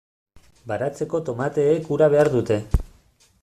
Baratzeko tomateek ura behar dute.